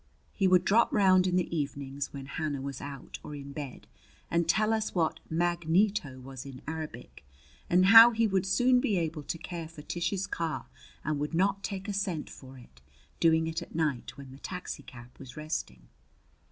He would drop round in the evenings, when Hannah was out or in bed, and tell us what "magneto" was in Arabic, and how he would soon be able to care for Tish's car and would not take a cent for it, doing it at night when the taxicab was resting.